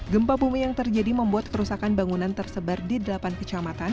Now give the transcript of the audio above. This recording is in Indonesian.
gempa bumi yang terjadi membuat kerusakan bangunan tersebar di delapan kecamatan